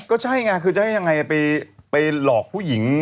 ก็ใช่ไงคือจะให้ยังไงไปหลอกผู้หญิง